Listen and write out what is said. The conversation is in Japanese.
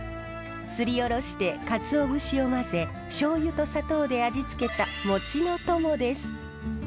すりおろしてかつお節を混ぜしょうゆと砂糖で味付けた餅の友です。